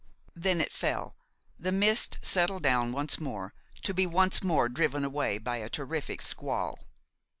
Then it fell; the mist settled down once more, to be once more driven away by a terrific squall.